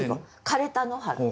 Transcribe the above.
枯れた野原。